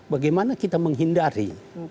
bagaimana kita menghindari